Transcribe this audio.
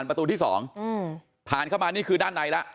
ผ่านเข้ามานี่คือด้านในแล้ว